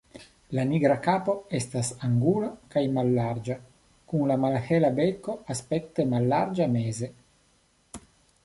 La nigra kapo estas angula kaj mallarĝa kun la malhela beko aspekte mallarĝa meze.